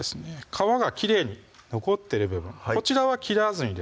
皮がきれいに残ってる部分こちらは切らずにですね